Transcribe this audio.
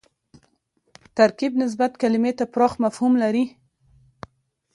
ترکیب نسبت کلیمې ته پراخ مفهوم لري